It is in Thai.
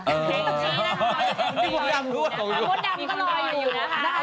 เออคุณแองจี้นะคะมีคนดำรออยู่นะคะ